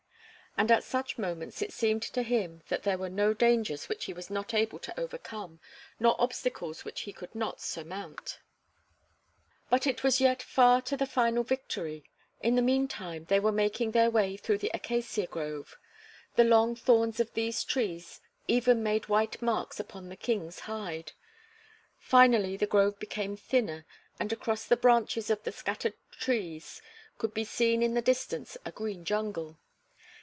And at such moments it seemed to him that there were no dangers which he was not able to overcome nor obstacles which he could not surmount. But it was yet far to the final victory. In the meantime they were making their way through the acacia grove. The long thorns of these trees even made white marks upon the King's hide. Finally the grove became thinner and across the branches of the scattered trees could be seen in the distance a green jungle.